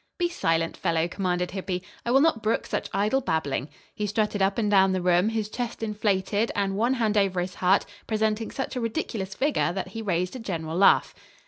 "Be silent, fellow," commanded Hippy. "I will not brook such idle babbling." He strutted up and down the room, his chest inflated and one hand over his heart, presenting such a ridiculous figure that he raised a general laugh.